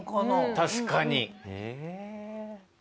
確かに。